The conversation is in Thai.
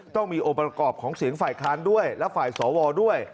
ต้องมีองค์ประกอบของเสียงฝ่ายค้านด้วยและฝ่ายสวด้วย